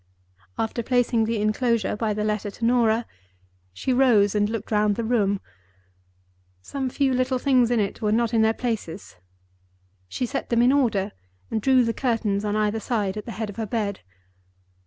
After placing the inclosure by the letter to Norah, she rose and looked round the room. Some few little things in it were not in their places. She set them in order, and drew the curtains on either side at the head of her bed.